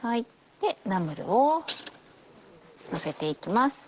でナムルをのせていきます。